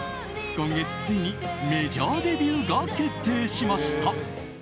今月、ついにメジャーデビューが決定しました。